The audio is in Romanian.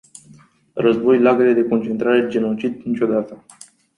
Război, lagăre de concentrare, genocid - niciodată!